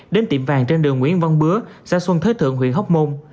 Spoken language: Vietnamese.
đến tiệm vàng trên đường nguyễn văn bứa xã xuân thới thượng huyện hóc môn